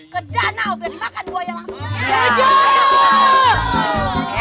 ke danau biar makan buaya langsung